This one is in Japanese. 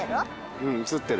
うん映ってる。